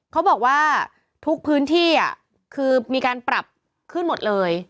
เขาบอกว่าทุกพื้นที่คือมีการปรับขึ้นหมดเลย